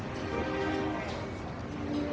kau sudah selesai mencari ethan